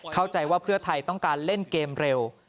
เข้าใจว่าเพื่อไทยต้องการเล่นเกมเร็ว